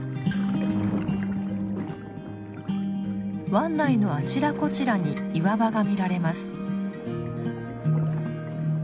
湾内のあちらこちらに岩場が見られます。